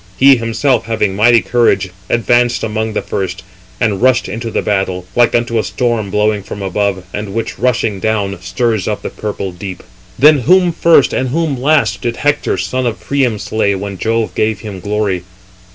He himself, having mighty courage, advanced among the first, and rushed into the battle, like unto a storm blowing from above, and which rushing down, stirs up the purple deep. Then whom first and whom last, did Hector, son of Priam, slay, when Jove gave him glory?